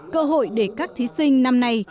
cơ hội để các thí sinh năm nay